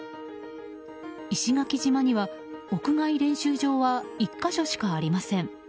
石垣島には、屋外練習場は１か所しかありません。